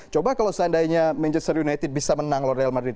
coba kalau seandainya manchester united bisa menang loh real madrid